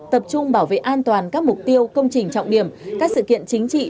tập trung bảo vệ an toàn các mục tiêu công trình trọng điểm các sự kiện chính trị